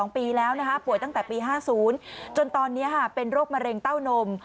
ป่วยตั้งแต่ปี๕๐จนตอนนี้เป็นโรคมะเร็งเต้านม